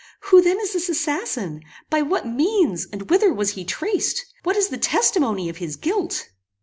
"Who then is this assassin? By what means, and whither was he traced? What is the testimony of his guilt?"